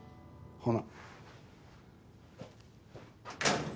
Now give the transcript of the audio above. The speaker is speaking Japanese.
ほな。